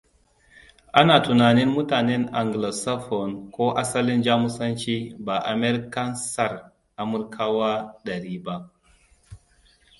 Ana tunanin mutanen Anglo-Saxon ko asalin Jamusanci ba Americansar Amurkawa dari ba.